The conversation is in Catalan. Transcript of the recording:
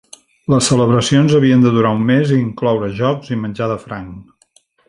Les celebracions havien de durar un mes i incloure jocs i menjar de franc.